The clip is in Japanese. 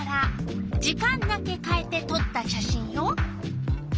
時間だけかえてとった写真よ。